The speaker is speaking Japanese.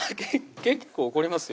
結構怒りますよ